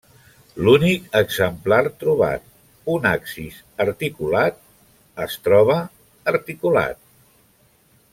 L'únic exemplar trobat, un axis articulat es troba articulat.